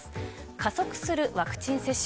加速するワクチン接種。